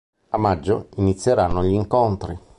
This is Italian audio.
A maggio inizieranno gli incontri.